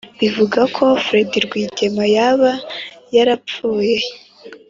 bivuga ko fred rwigema yaba yarapfuye